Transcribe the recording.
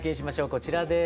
こちらです。